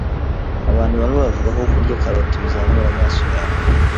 Abantu bamwe bavuga ko kurya karoti bizamura amaso yawe